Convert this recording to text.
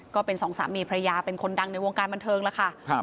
ก็เป็นสองสามีพระยาเป็นคนดังในวงการบันเทิงแล้วค่ะ